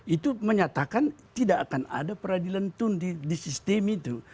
itu menyatakan tidak akan ada peradilan tun di sistem itu